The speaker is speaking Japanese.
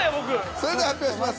それでは発表します。